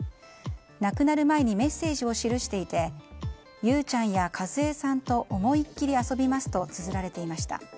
亡くなる前にメッセージを記していて裕ちゃんや和枝さんと思い切り遊びますとつづられていました。